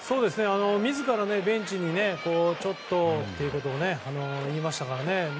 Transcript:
自らベンチにちょっとと言いましたからね。